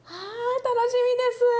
あ楽しみです！